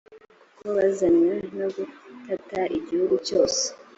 kuko bazanywe no gutata igihugu cyose.